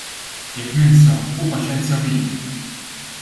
Jekk ninsa, ħu paċenzja bija.